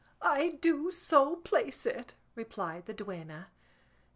"I do so place it," replied the duenna.